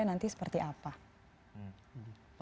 yang akan dibawa ke indonesia nanti seperti apa